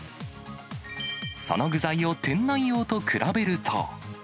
その具材を店内用と比べると。